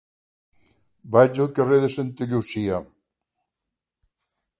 Vaig al carrer de Santa Llúcia.